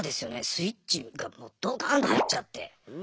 スイッチがもうドカンと入っちゃって。